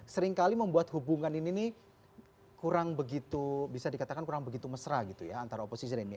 seringkali membuat hubungan ini nih kurang begitu bisa dikatakan kurang begitu mesra gitu ya antara oposisi dan ini